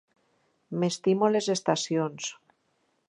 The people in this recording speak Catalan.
M'estimo les Estacions.